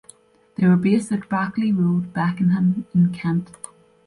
They were based at Brackley Road, Beckenham in Kent.